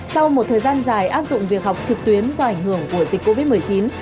sau một thời gian dài áp dụng việc học trực tuyến do ảnh hưởng của dịch covid một mươi chín